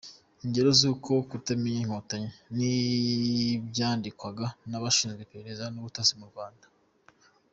Ingero z’uko kutamenya Inkotanyi ni ibyandikwaga n’abashinzwe iperereza n’ubutasi mu Rwanda.